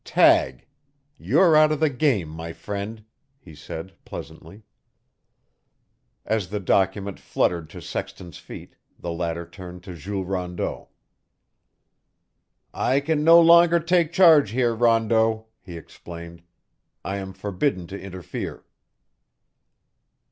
"Tag! You're out of the game, my friend," he said pleasantly. As the document fluttered to Sexton's feet, the latter turned to Jules Rondeau. "I can no longer take charge here, Rondeau," he explained. "I am forbidden to interfere."